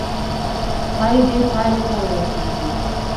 ښايي دې پايلې ته ورسيږئ.